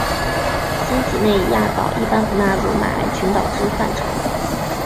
新几内亚岛一般不纳入马来群岛之范畴。